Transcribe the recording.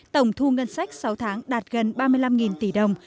tổng thu ngân sách sáu tháng đạt gần ba mươi năm tỷ đồng